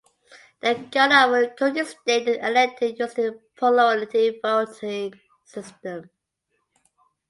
The Governor of Kogi State is elected using the plurality voting system.